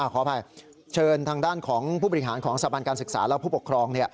ขออภัยเชิญทางด้านของผู้บริหารของสถาบันการศึกษาและผู้ปกครอง